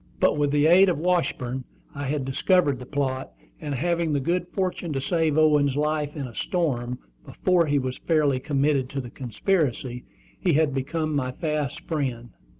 But, with the aid of Washburn, I had discovered the plot; and having the good fortune to save Owen's life in a storm, before he was fairly committed to the conspiracy, he had become my fast friend.